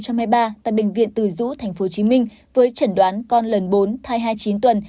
tại bệnh viện từ dũ tp hcm với chẩn đoán con lần bốn thai hai mươi chín tuần